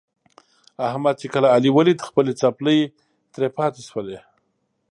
احمد چې کله علي ولید خپلې څپلۍ ترې پاتې شولې.